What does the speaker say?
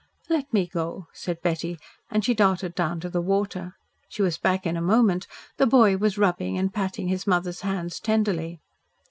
"Let me go," said Betty, and she darted down to the water. She was back in a moment. The boy was rubbing and patting his mother's hands tenderly.